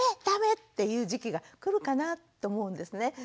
ダメ！」っていう時期が来るかなと思うんですね。